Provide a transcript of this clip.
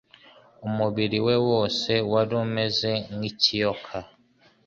umubiri we wose wari umeze nk'ikiyoka